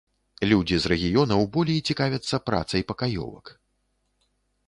Людзі з рэгіёнаў болей цікавяцца працай пакаёвак.